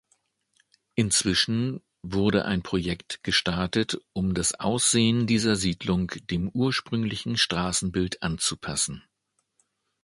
Inzwischen wurde ein Projekt gestartet, um das Aussehen dieser Siedlung dem ursprünglichen Straßenbild anzupassen.